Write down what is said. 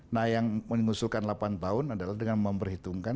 nah yang mengusulkan delapan tahun adalah dengan memperhitungkan